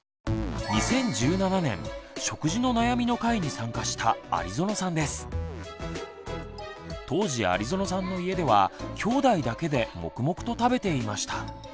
２０１７年「食事の悩み」の回に参加した当時有園さんの家ではきょうだいだけで黙々と食べていました。